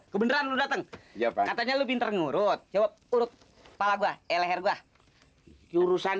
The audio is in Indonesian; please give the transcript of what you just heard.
kebeneran lu dateng jawab katanya lu pintar ngurut jawab urut kepala gue leher gua urusan